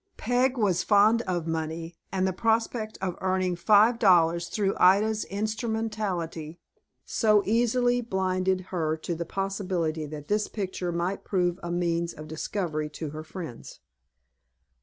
Peg was fond of money, and the prospect of earning five dollars through Ida's instrumentality, so easily, blinded her to the possibility that this picture might prove a means of discovery to her friends.